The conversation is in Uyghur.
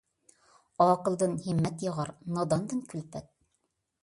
ئاقىلدىن ھىممەت ياغار، ناداندىن كۈلپەت.